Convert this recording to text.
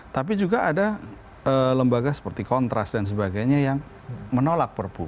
tapi juga ada lembaga seperti kontras dan sebagainya yang menolak perpu